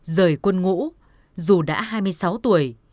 rời quân ngũ dù đã hai mươi sáu tuổi